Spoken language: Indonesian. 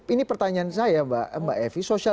ini pertanyaan saya mbak evi